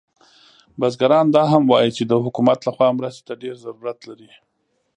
بزګران دا هم وایي چې د حکومت له خوا مرستې ته ډیر ضرورت لري